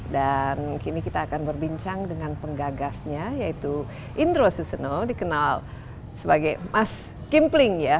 dan kini kita akan berbincang dengan penggagasnya yaitu indro suseno dikenal sebagai mas kimpling ya